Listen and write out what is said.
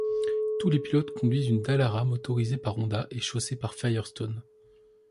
Tous les pilotes conduisent une Dallara, motorisée par Honda et chaussée par Firestone.